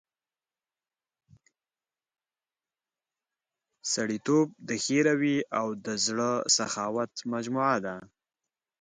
سړیتوب د ښې رويې او د زړه سخاوت مجموعه ده.